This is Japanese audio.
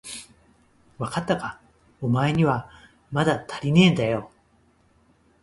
わかったか、おまえにはまだたりねえだよ。